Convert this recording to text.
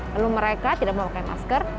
lalu mereka tidak mau pakai masker